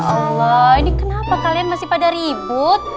ya allah ini kenapa kalian masih pada ribut